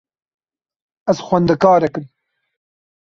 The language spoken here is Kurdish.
Ez xwendekarek im.